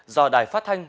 do đài phát thanh